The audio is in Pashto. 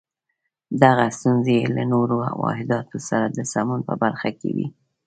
دغه ستونزې یې له نورو واحداتو سره د سمون په برخه کې وې.